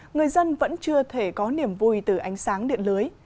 người dân vẫn chưa thể có niềm vui từ ánh sáng điện lưới